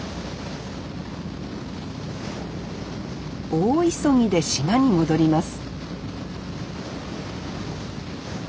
大急ぎで島に戻ります